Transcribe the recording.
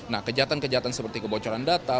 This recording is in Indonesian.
nah kejahatan kejahatan seperti kebocoran data